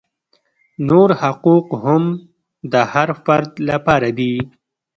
نور حقوق هم د هر فرد لپاره دي.